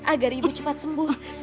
agar ibu cepat sembuh